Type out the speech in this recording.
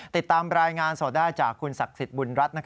ติดตามรายงานสดได้จากคุณศักดิ์สิทธิ์บุญรัฐ